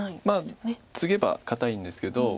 まあツゲば堅いんですけど。